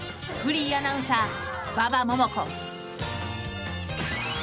［フリーアナウンサー］